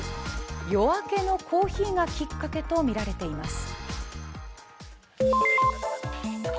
夜明けのコーヒーがきっかけとみられています。